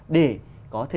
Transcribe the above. để có thể